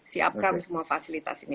siapkan semua fasilitas ini